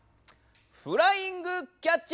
「フライングキャッチ」。